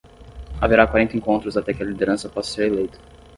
Haverá quarenta encontros até que a liderança possa ser eleita